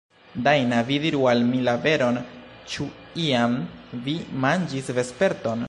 Dajna, vi diru al mi la veron; ĉu iam vi manĝis vesperton?